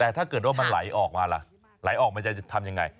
แต่ถ้าเกิดว่ามันไหลออกมาล่ะไหลออกมันจะทำยังไง